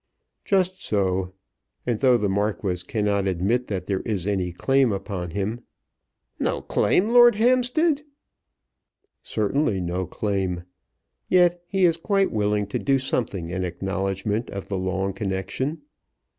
"Just so; and though the Marquis cannot admit that there is any claim upon him " "No claim, Lord Hampstead!" "Certainly no claim. Yet he is quite willing to do something in acknowledgment of the long connection.